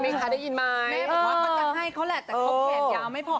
แม่บอกว่าเราก็จะให้เขาแหละแต่เขาแขนยาวไม่พอ